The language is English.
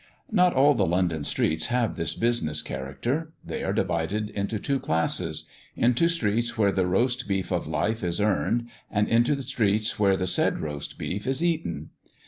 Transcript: Not all the London streets have this business character. They are divided into two classes: into streets where the roast beef of life is earned, and into streets where the said roast beef is eaten.